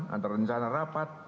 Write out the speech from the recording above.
ada rencana rapat